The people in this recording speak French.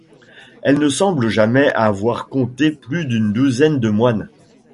Elle ne semble jamais avoir compté plus d'une douzaine de moines.